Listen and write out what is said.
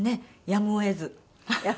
「やむを得ず」。